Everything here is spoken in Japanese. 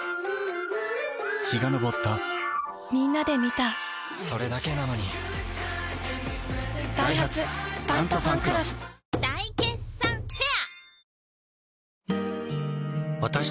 陽が昇ったみんなで観たそれだけなのにダイハツ「タントファンクロス」大決算フェア